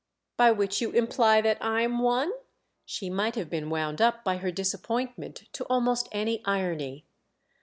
"By which you imply that I'm one?" She might have been wound up by her disappointment to almost any irony.